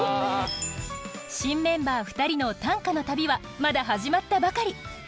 新メンバー２人の短歌の旅はまだ始まったばかり。